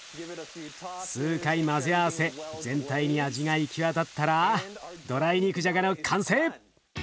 数回混ぜ合わせ全体に味が行き渡ったらドライ肉じゃがの完成！